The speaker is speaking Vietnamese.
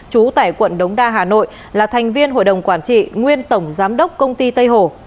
trú tại quận đống đa hà nội là thành viên hội đồng quản trị nguyên tổng giám đốc công ty tây hồ